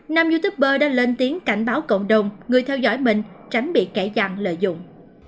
nam youtuber đã lên tiếng cảnh báo cộng đồng người theo dõi mình tránh bị kẻ dặn lợi dụng